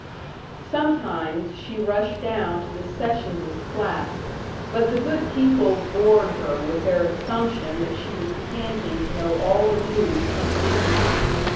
Sometimes she rushed down to the Sessionses' flat, but the good people bored her with their assumption that she was panting to know all the news from Panama.